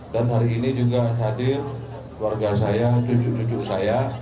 dan hari ini juga hadir keluarga saya cucu cucu saya